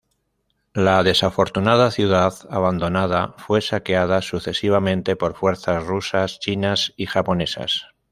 La desafortunada ciudad abandonada fue saqueada, sucesivamente, por fuerzas rusas, chinas y japonesas.